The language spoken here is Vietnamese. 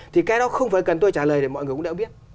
thì cái đó không phải cần tôi trả lời để mọi người cũng đã biết